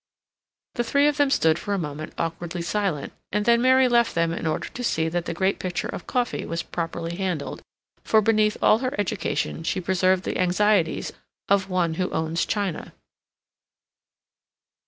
The three of them stood for a moment awkwardly silent, and then Mary left them in order to see that the great pitcher of coffee was properly handled, for beneath all her education she preserved the anxieties of one who owns china.